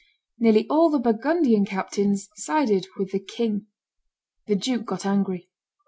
Nearly all the Burgundian captains sided with the king. The duke got angry.